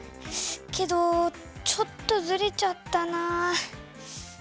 けどちょっとずれちゃったな。